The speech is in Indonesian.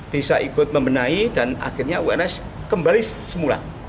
bisa ikut membenahi dan akhirnya uns kembali semula